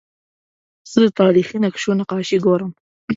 زه د تاریخي نقشو نقاشي ګورم.